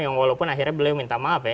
yang walaupun akhirnya beliau minta maaf ya